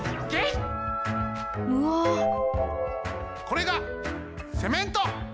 これがセメント！